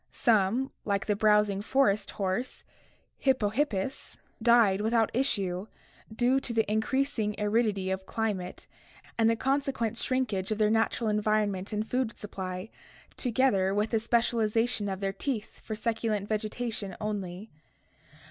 Some, like the browsing "forest" horse, Hypohippus (see Chapter XXXV), died without issue, due to increasing aridity of climate and the consequent shrinkage of their natural environment and food supply, together with the specialization of their teeth for succulent vegetation only.